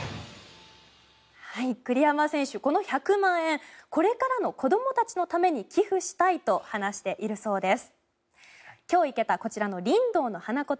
栗山選手、この１００万円これからの子どもたちのために寄付したいと話しているそうです。